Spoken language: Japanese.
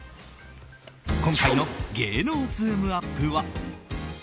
今回の芸能ズームＵＰ！は。